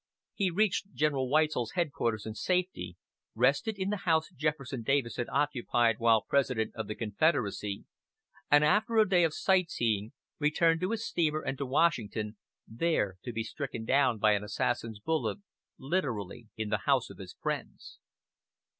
He reached General Weitzel's headquarters in safety, rested in the house Jefferson Davis had occupied while President of the Confederacy; and after a day of sightseeing returned to his steamer and to Washington, there to be stricken down by an assassin's bullet, literally "in the house of his friends."